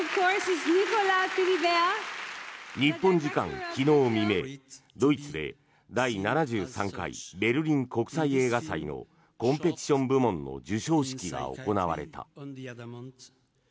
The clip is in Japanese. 日本時間昨日未明、ドイツで第７３回ベルリン国際映画祭のコンペティション部門の授賞式が行われた。